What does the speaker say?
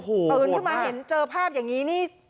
อื่นที่มาเห็นเจอภาพอย่างนี้